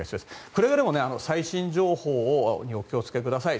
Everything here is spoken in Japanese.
くれぐれも最新情報にお気を付けください。